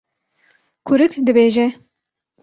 Kurik dibêje: